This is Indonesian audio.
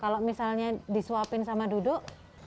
kalau misalnya disuapin sama duduk